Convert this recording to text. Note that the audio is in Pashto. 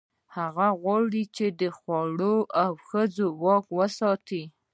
هغه غواړي، چې د خوړو او ښځو واک وساتي.